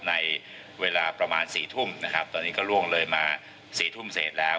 ในเวลาประมาณสี่ทุ่มนะครับตอนนี้ก็ล่วงเลยมาสี่ทุ่มเสร็จแล้ว